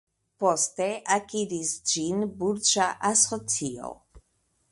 Poste akiris ĝin burĝa asocio.